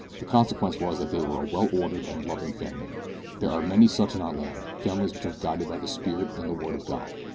The consequence was that they were a well ordered and loving family. There are many such in our land families which are guided by the Spirit and the Word of God.